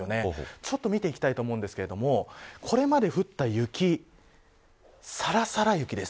ちょっと見ていきたいと思うんですけどこれまで降った雪さらさら雪です。